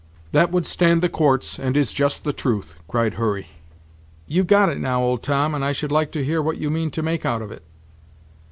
"That would stand the courts, and is just the truth," cried Hurry; "you've got it now, old Tom, and I should like to hear what you mean to make out of it."